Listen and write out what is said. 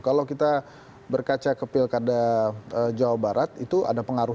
kalau kita berkaca ke pilkada jawa barat itu ada pengaruh